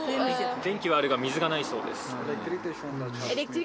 電気はあるが水はないそうです。